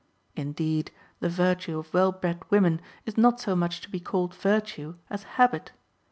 Indeed, the virtue of well bred women is not so much to be called virtue as habit.